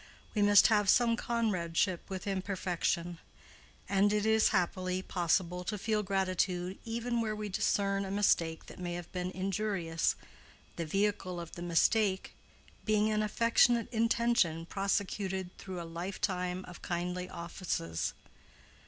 We must have some comradeship with imperfection; and it is, happily, possible to feel gratitude even where we discern a mistake that may have been injurious, the vehicle of the mistake being an affectionate intention prosecuted through a life time of kindly offices.